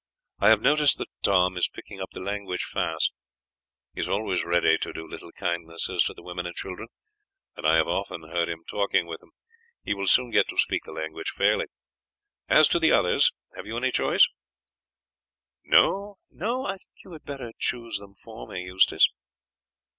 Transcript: I have noticed that Tom is picking up the language fast. He is always ready to do little kindnesses to the women and children, and I have often heard him talking with them. He will soon get to speak the language fairly. As to the others have you any choice?" "No, I think you had better choose them for me, Eustace."